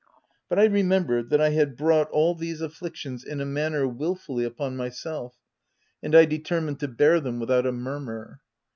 But I remembered that I had brought all 164 THE TENANT these afflictions, in a manner wilfully, upon my self; and I determined to bear them without a murmur.